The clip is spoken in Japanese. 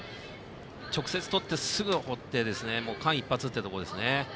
直接とってすぐ放って間一髪というところですね。